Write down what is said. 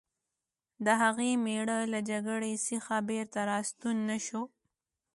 د هغې مېړه له جګړې څخه بېرته راستون نه شو